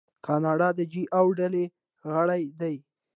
کاناډا د جي اوه ډلې غړی دی.